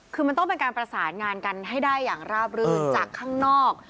คือมันต้องเป็นการประสานงานกันให้ได้อย่างราบรื่นจากข้างนอก